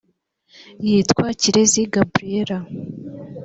yitwa kirezi gabriella